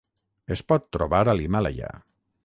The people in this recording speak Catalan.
Es pot trobar a l'Himàlaia.